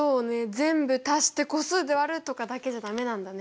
全部足して個数で割るとかだけじゃ駄目なんだね。